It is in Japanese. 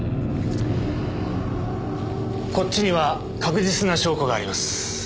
こっちには確実な証拠があります。